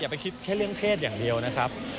ไปคิดแค่เรื่องเพศอย่างเดียวนะครับ